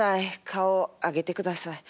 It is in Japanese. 顔上げてください。